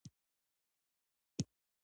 دوی باید په دې موقعیت کې له فرد ملاتړ وکړي.